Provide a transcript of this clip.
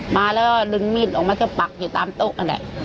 มาแล้วดึงมีดออกมาก็ปักอยู่ตามโต๊ะนั่นแหละ